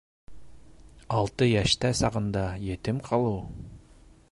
Алты йәштә сағында етем ҡалыу...